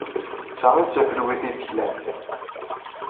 D ta ay d tafelwit ay d-klant.